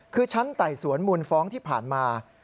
คือชั้นไต่สวนมูลฟ้องที่ผ่านมา